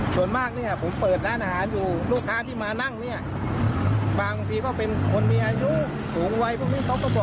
เกาะกลางกว้างแต่ถนนทั้งสองฝั่งนี้แคบ